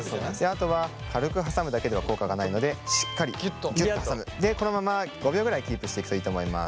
あとは軽く挟むだけでは効果がないのででこのまま５秒ぐらいキープしていくといいと思います。